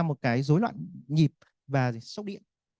một cái rối loạn nhịp và sốc điện